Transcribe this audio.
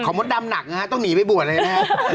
มดดำหนักนะฮะต้องหนีไปบวชเลยนะฮะ